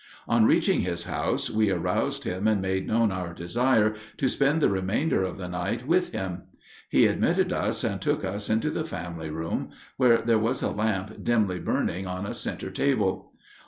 On reaching his house we aroused him and made known our desire to spend the remainder of the night with him. He admitted us and took us into the family room, where there was a lamp dimly burning on a center table.